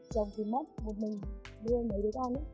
chồng thì móc một mình đưa mấy đứa con